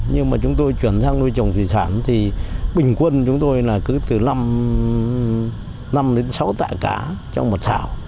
nhưng mà chúng tôi chuyển sang nuôi trồng thủy sản thì bình quân chúng tôi là cứ từ năm đến sáu tạ cá trong một thảo